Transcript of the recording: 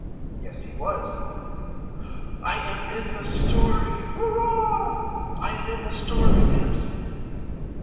"Yes, he was." "I am in a story. Hurrah, I am in a story, Nibs."